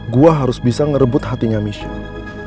gue harus bisa ngerebut hatinya michelle